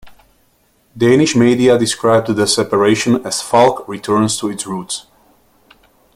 Danish media described the separation as "Falck returns to its roots".